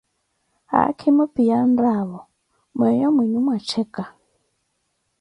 Haakhimo phi anraavo myeeyo mwiiyi mwa ttekka.